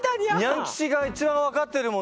ニャン吉が一番分かってるもんね。